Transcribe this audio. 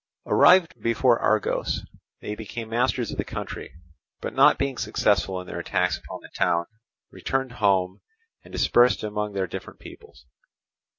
Arrived before Argos, they became masters of the country; but not being successful in their attacks upon the town, returned home and dispersed among their different peoples.